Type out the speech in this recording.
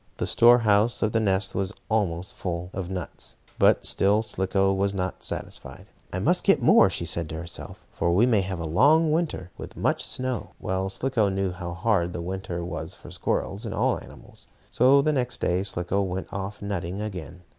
The store house of the nest was almost full of nuts, but still Slicko was not satisfied. "I must get more," she said to herself, "for we may have a long winter, with much snow." Well, Slicko knew how hard the winter was for squirrels, and all animals. So the next day Slicko went off nutting again.